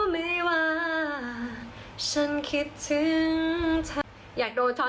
แปลวแปลวแปลวแปลวแปลว